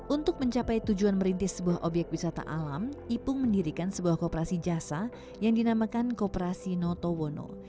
untuk mencapai tujuan merintis sebuah obyek wisata alam ipung mendirikan sebuah kooperasi jasa yang dinamakan kooperasi notowono